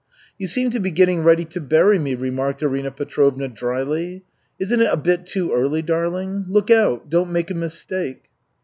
"You seem to be getting ready to bury me," remarked Arina Petrovna drily. "Isn't it a bit too early, darling? Look out, don't make a mistake."